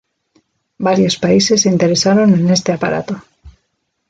Varios países se interesaron en este aparato.